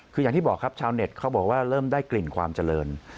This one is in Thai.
คืออย่างที่บอกครับชาวเน็ตเขาบอกว่าเริ่มได้กลิ่นความเจริญ